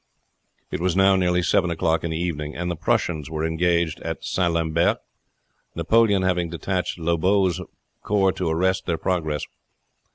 It was now nearly seven o'clock in the evening, and the Prussians were engaged at St. Lambert, Napoleon having detached Lobau's corps to arrest their progress.